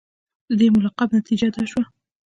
د دې ملاقات نتیجه دا شوه.